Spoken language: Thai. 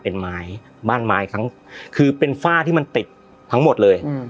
เป็นไม้บ้านไม้ทั้งคือเป็นฝ้าที่มันติดทั้งหมดเลยอืม